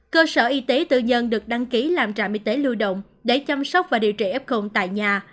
cơ sở y tế tư nhân được đăng ký làm trạm y tế lưu động để chăm sóc và điều trị f tại nhà